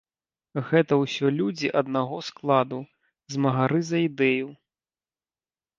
Гэта ўсё людзі аднаго складу, змагары за ідэю.